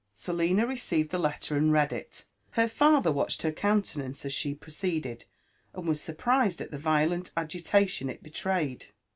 Selina received the letter and read it. Her father watched her coun tenance as she proceeded, and was surprised at the violent agitation it betrayed.